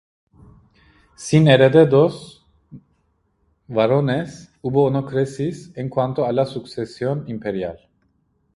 Sin herederos varones, hubo una crisis en cuanto a la sucesión imperial.